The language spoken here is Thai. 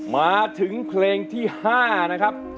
มาถึงเพลงที่๕นะครับ